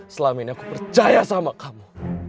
selama ini aku percaya sama kamu